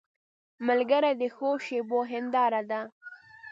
ملګری د ښو شېبو هنداره ده